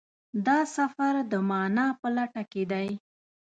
دا سفر د مانا په لټه کې دی.